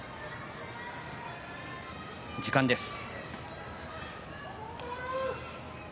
時間です。